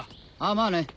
・・まあね